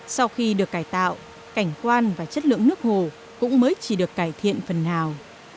sau khi được cải tạo cảnh quan và chất lượng nước hồ cũng mới chỉ được cải thiện phần nào